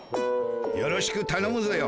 よろしくたのむぞよ。